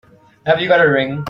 Have you got a ring?